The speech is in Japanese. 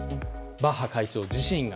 バッハ会長自身が。